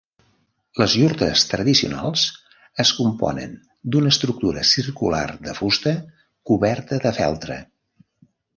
Les iurtes tradicionals es componen d'una estructura circular de fusta coberta de feltre.